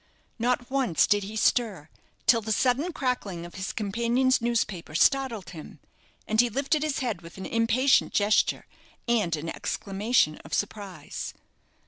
Not once did he stir till the sudden crackling of his companion's newspaper startled him, and he lifted his head with an impatient gesture and an exclamation of surprise.